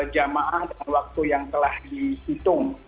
jemaah dengan waktu yang telah dihitung